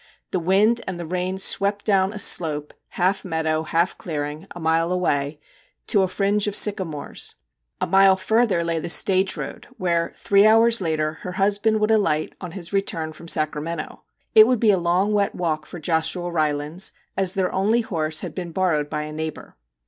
The wind and the rain swept down a slope, half meadow, half clearing a mile away to a fringe of sycamores. A mile further lay the stage road, where, three hours later, her husband would alight on his return from Sacramento. It would be a long wet walk for Joshua Rylands, as their only horse had been borrowed by a neighbour.